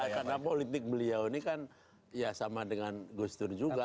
karena politik beliau ini kan ya sama dengan gus dur juga